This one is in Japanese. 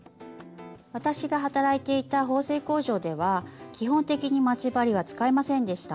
私が働いていた縫製工場では基本的に待ち針は使いませんでした。